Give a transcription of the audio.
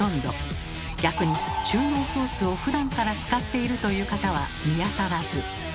逆に中濃ソースをふだんから使っているという方は見当たらず。